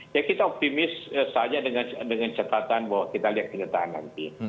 ya kita optimis saja dengan catatan bahwa kita lihat kenyataan nanti